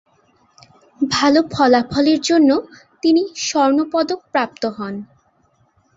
ভালো ফলাফলের জন্য তিনি স্বর্ণপদক প্রাপ্ত হন।